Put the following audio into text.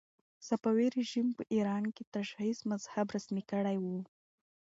صفوي رژیم په ایران کې تشیع مذهب رسمي کړی و.